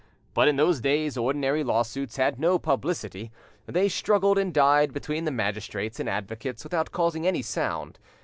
But in those days ordinary lawsuits had no publicity; they struggled and died between the magistrates and advocates without causing any sound.